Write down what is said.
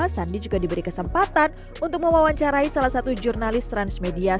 sandi juga diberi kesempatan untuk mewawancarai salah satu jurnalis transmedia